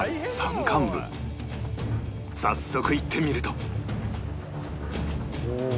早速行ってみると